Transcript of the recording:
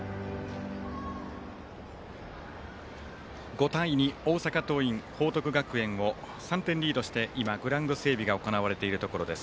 ５対２、大阪桐蔭報徳学園を３点リードして今、グラウンド整備が行われているところです。